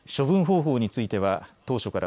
処分方法については当初から